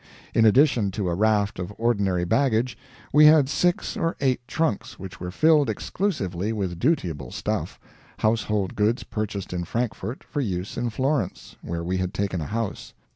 In addition to a raft of ordinary baggage, we had six or eight trunks which were filled exclusively with dutiable stuff household goods purchased in Frankfort for use in Florence, where we had taken a house.